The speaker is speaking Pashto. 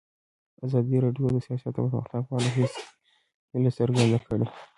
ازادي راډیو د سیاست د پرمختګ په اړه هیله څرګنده کړې.